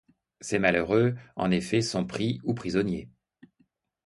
Ces malheureux, en effet, sont pris ou prisonniers.